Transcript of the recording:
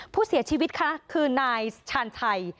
ผู้เสียชีวิตค่ะคือนายชาญชัย